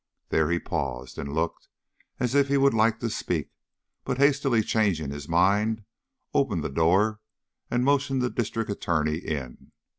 There he paused and looked as if he would like to speak, but hastily changing his mind, opened the door and motioned the District Attorney in.